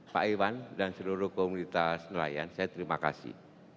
pak iwan dan seluruh komunitas nelayan saya terima kasih